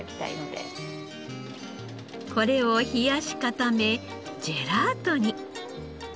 これを冷やし固めジェラートに。